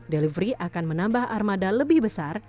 delivery akan menambah armada lebih besar